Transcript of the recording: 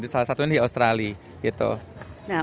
salah satunya di australia